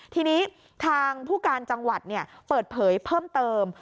ทีนี้ทางผู้การจังหวัดเปิดเผยเพิ่มเติม